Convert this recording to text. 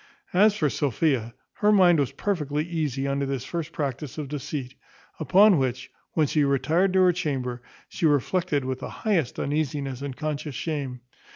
As for Sophia, her mind was not perfectly easy under this first practice of deceit; upon which, when she retired to her chamber, she reflected with the highest uneasiness and conscious shame.